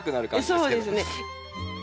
そうですね。